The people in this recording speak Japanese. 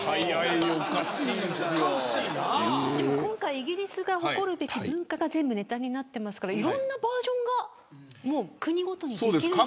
今回イギリスが誇るべき文化が全部ネタになっていますからいろんなバージョンが国ごとにできるんじゃないですか。